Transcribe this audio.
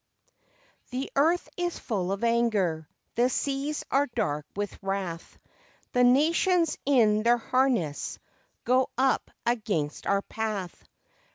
The earth is full of anger, The seas are dark with wrath; The Nations in their harness Go up against our path!